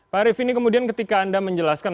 pak arief ini kemudian ketika anda menjelaskan